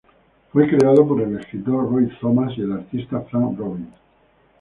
Fue creado por el escritor Roy Thomas y el artista Frank Robbins.